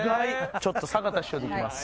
ちょっと坂田師匠でいきます。